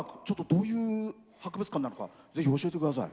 どういう博物館なのかぜひ教えてください。